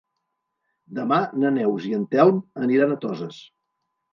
Demà na Neus i en Telm aniran a Toses.